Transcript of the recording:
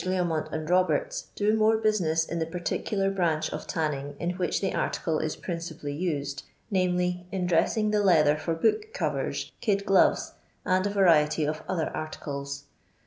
Leomont and Roberts do more business iu the particular branch of tanning in which the article is principally used, viz., in dressing the leather for book covers, kid gloves, and a variety of other articles.